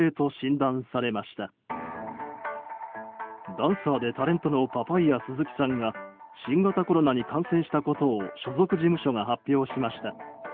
ダンサーでタレントのパパイヤ鈴木さんが新型コロナに感染したことを所属事務所が発表しました。